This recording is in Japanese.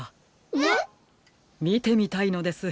えっ？みてみたいのです。